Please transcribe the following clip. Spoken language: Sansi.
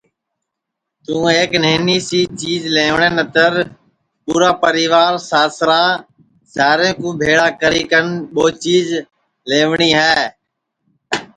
تو ایک نہنی سی چیج لئیوٹؔے نتر پُورا پریوار ساسرا سارے کُو بھیݪا کری کن ٻو چیج لئیوٹؔی ہے